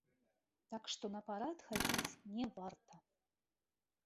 Так што на парад хадзіць не варта.